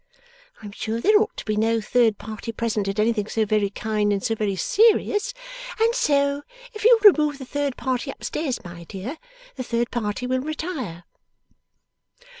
I am sure there ought to be no third party present at anything so very kind and so very serious; and so, if you'll remove the third party upstairs, my dear, the third party will retire.